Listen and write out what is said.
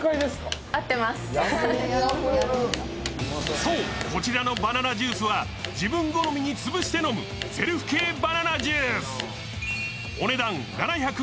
そう、こちらのバナナジュースは自分好みにつぶして飲むセルフ系バナナジュース。